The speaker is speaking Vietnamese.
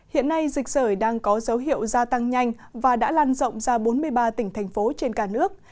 hiện nay dịch sởi đang có dấu hiệu gia tăng nhanh và đã lan rộng ra bốn mươi ba tỉnh thành phố trên cả nước